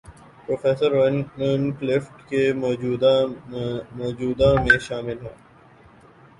Professor Roland Clift کے موجدوں میں شامل ہیں۔